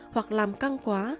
hoặc làm căng quá